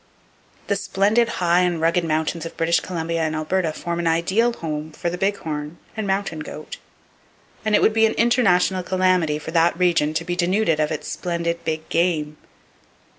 The splendid high and rugged mountains of British Columbia and Alberta form an ideal home for the big horn (and mountain goat), and it would be an international calamity for that region to be denuded of its splendid big game.